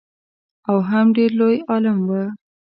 او هم ډېر لوی عالم و.